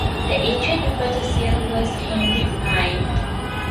The agent for the sale was Henry Payne.